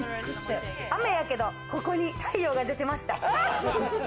雨だけどここに太陽が出てました。